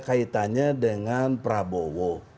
kaitannya dengan prabowo